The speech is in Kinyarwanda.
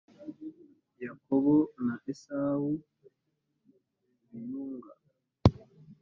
yakobo na esawu biyunga